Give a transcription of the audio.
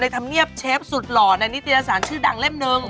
ทำเนียบเชฟสุดหล่อในนิยธิราศาสตร์ชื่อดังเร่มหนึ่ง